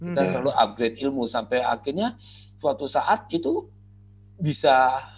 kita selalu upgrade ilmu sampai akhirnya suatu saat itu bisa